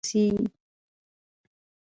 هر څومره ورځې چې په اردن کې اوسېږې.